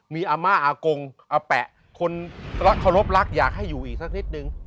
มีอาม่าอากงอาแปะคนรักเคารพรักอยากให้อยู่อีกสักนิดนึง